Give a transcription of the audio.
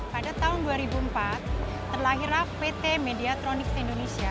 pada tahun dua ribu empat terlahir pt mediatronics indonesia